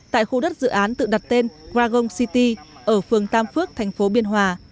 tại khu đất dự án tự đặt tên dragon city ở phường tam phước tp biên hòa